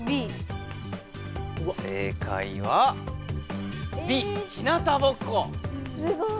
正解はすごい！